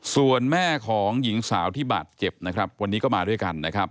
ส่วนแม่ของหญิงสาวที่บาดเจ็บนะครับวันนี้ก็มาด้วยกันนะครับ